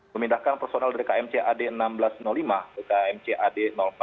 memindahkan personil dari kmc ad seribu enam ratus lima ke kmc ad empat ratus lima belas